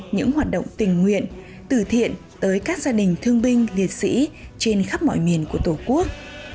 những hoạt động tình nguyện tử thiện tới các gia đình thương binh liệt sĩ trên khắp mọi miền của tổ quốc